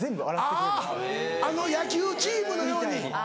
あぁあの野球チームのように。